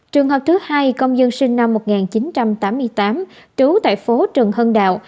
trường hợp thứ hai công dân sinh năm một nghìn chín trăm tám mươi tám trú tại phố trần hưng đạo